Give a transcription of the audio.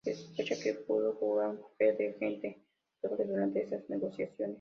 Se sospecha que pudo jugar un papel de agente doble durante estas negociaciones.